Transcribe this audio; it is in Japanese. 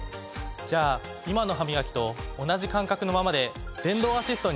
じゃあ今の歯みがきと同じ感覚のままで電動アシストにパワーアップしてみませんか？